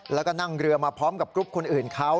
แล้วก็นั่งเรือมาพร้อมกับกรุ๊ปคนอื่นเขา